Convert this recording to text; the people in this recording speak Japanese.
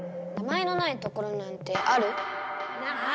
名前のないところなんてある？